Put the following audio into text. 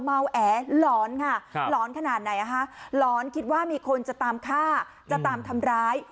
เมาแอหลอนค่ะหลอนขนาดไหนหลอนคิดว่ามีคนจะตามฆ่าจะตามทำร้าย